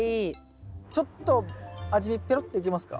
ちょっと味見ペロっていけますか？